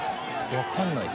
分かんないです。